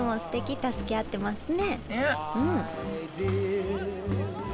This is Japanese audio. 助け合ってますね。